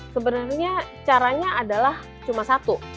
sebenarnya caranya adalah cuma satu